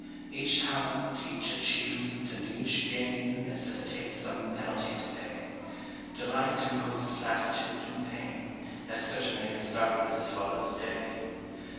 Each talent, each achievement, and each gain Necessitates some penalty to pay. Delight imposes lassitude and pain, As certainly as darkness follows day.